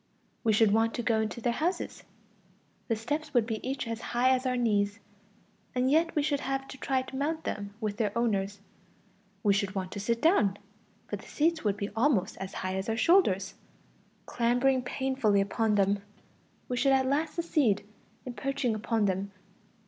We should want to go into their houses; the steps would be each as high as our knees, and yet we should have to try to mount them with their owners; we should want to sit down, but the seats would be almost as high as our shoulders; clambering painfully upon them, we should at last succeed in perching upon them.